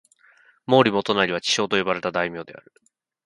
毛利元就は智将と呼ばれた大名である。